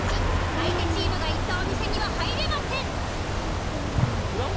相手チームが行ったお店には入れません。